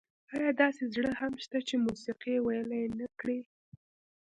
ایا داسې زړه هم شته چې موسيقي یې ویلي نه کړي؟